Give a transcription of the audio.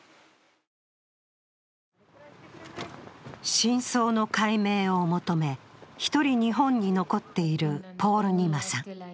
真相の解明を求め、一人、日本に残っているポールニマさん。